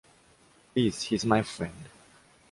Please. He’s my friend.